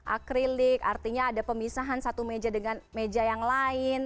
akrilik artinya ada pemisahan satu meja dengan meja yang lain